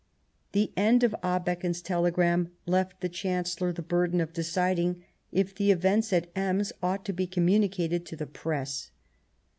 The end of Abeken's telegram left the Chancellor the burden of deciding if the events at Ems ought to be communicated to the Press.